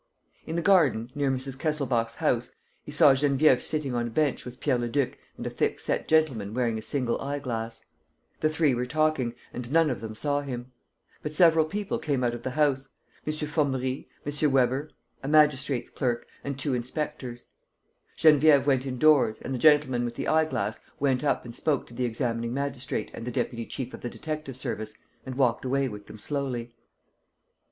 In the garden, near Mrs. Kesselbach's house, he saw Geneviève sitting on a bench with Pierre Leduc and a thick set gentleman wearing a single eye glass. The three were talking and none of them saw him. But several people came out of the house: M. Formerie, M. Weber, a magistrate's clerk, and two inspectors. Geneviève went indoors and the gentleman with the eye glass went up and spoke to the examining magistrate and the deputy chief of the detective service and walked away with them slowly.